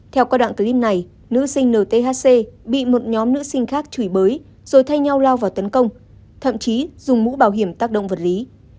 theo qua đoạn clip này nữ sinh nthc bị một nhóm nữ sinh khác chửi bới rồi thay nhau lao vào tấn công thậm chí dùng mũ bảo hiểm tác động vật lý